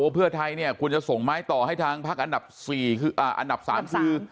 เพื่อไทยเนี่ยคุณจะส่งไม้ต่อให้ทางพรรคอันดับสี่อ่าอันดับสามคือ